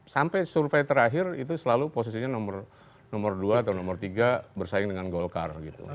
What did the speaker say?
sampai survei terakhir itu selalu posisinya nomor dua atau nomor tiga bersaing dengan golkar gitu